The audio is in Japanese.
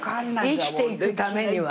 生きていくためにはね。